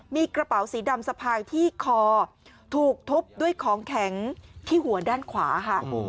มีกระเป๋าสีดำสะพายที่คอถูกทุบด้วยของแข็งที่หัวด้านขวาค่ะ